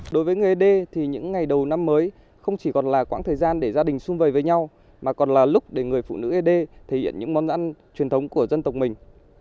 đối với nghề đê thì những ngày đầu năm mới không chỉ còn là quãng thời gian để gia đình xung vầy với nhau mà còn là lúc để người phụ nữ ấy đê thể hiện những món ăn truyền thống của dân tộc mình